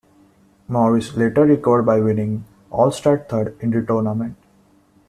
Morris later recovered by winning all-star third in the tournament.